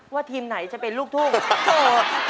ทีมไหนจะเป็นลูกทุ่ง